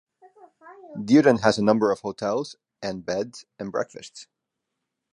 Dieren has a number of hotels and bed and breakfasts.